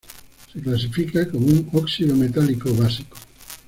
Se clasifica como un óxido metálico básico.